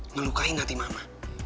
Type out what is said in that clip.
ngelukain hati mama